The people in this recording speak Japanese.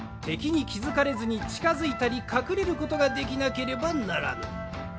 てきにきづかれずにちかづいたりかくれることができなければならぬ。